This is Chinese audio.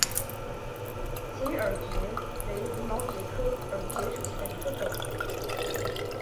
斜羽耳蕨为鳞毛蕨科耳蕨属下的一个种。